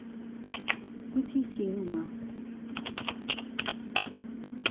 گوتی تینوومە.